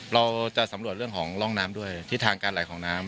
เราจะสำรวจเรื่องของร่องน้ำด้วยทิศทางการไหลของน้ำ